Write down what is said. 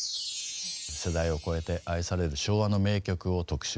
世代を超えて愛される昭和の名曲を特集いたします。